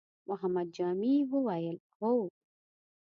محمد جامي وويل: هو!